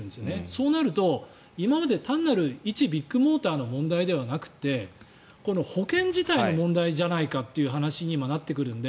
そうなると今まで単なる、いちビッグモーターの問題ではなくて保険自体の問題じゃないかという話になってくるので。